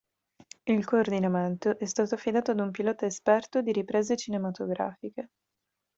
Il coordinamento è stato affidato ad un pilota esperto di riprese cinematografiche.